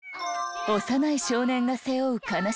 幼い少年が背負う悲しみ。